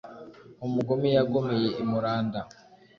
Umugome yagomeye i Muranda,